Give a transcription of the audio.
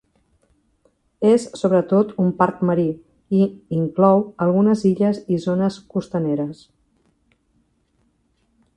És sobretot un parc marí, i inclou algunes illes i zones costaneres.